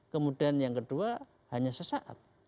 kemudian yang kedua hanya sesaat